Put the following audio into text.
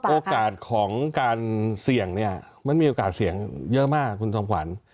โอกาสของการเสี่ยงเนี่ยมันมีโอกาสเสี่ยงเยอะมากคุณจอมขวัญ